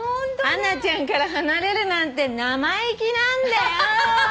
「ハナちゃんから離れるなんて生意気なんだよ！」